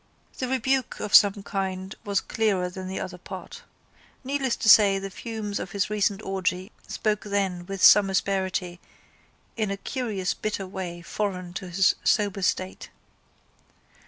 The rebuke of some kind was clearer than the other part. Needless to say the fumes of his recent orgy spoke then with some asperity in a curious bitter way foreign to his sober state.